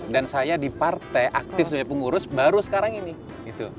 dan saya di partai aktif sebagai pengurus baru sekarang ini